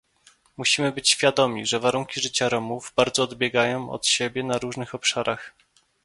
Musimy być świadomi, że warunki życia Romów bardzo odbiegają od siebie na różnych obszarach